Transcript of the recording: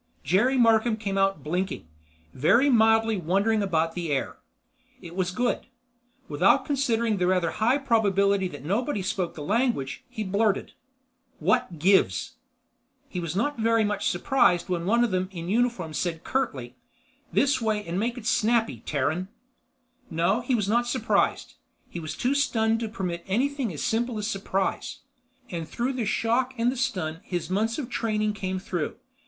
Jerry Markham came out blinking; very mildly wondering about the air. It was good. Without considering the rather high probability that nobody spoke the language, he blurted: "What gives?" He was not very much surprised when one of them in uniform said curtly, "This way and make it snappy, Terran!" No, he was not surprised. He was too stunned to permit anything as simple as surprise. And through the shock and the stun, his months of training came through.